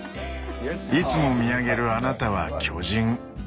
「いつも見上げるあなたは巨人。